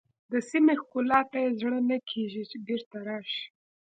د سیمې ښکلا ته یې زړه نه کېږي بېرته راشئ.